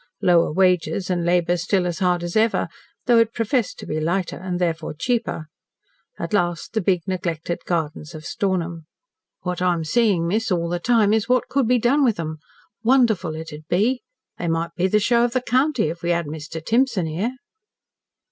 Lower wages and labour still as hard as ever, though it professed to be lighter, and therefore cheaper. At last the big neglected gardens of Stornham. "What I'm seeing, miss, all the time, is what could be done with 'em. Wonderful it'd be. They might be the show of the county if we had Mr. Timson here."